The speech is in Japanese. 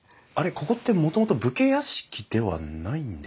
ここってもともと武家屋敷ではないんですか？